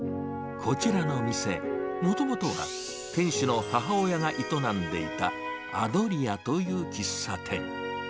こちらの店、もともとは店主の母親が営んでいた、アドリアという喫茶店。